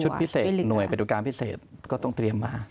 ชุดพิเศษหน่วยประตูกรรมพิเศษก็ต้องเตรียมมา